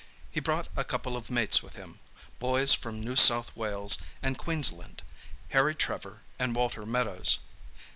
He brought a couple of mates with him—boys from New South Wales and Queensland, Harry Trevor and Walter Meadows.